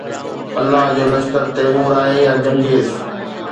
الله جو نشتر تيمور آهي يا چنگيز